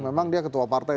memang dia ketua partai